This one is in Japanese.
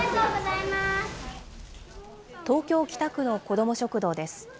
東京・北区の子ども食堂です。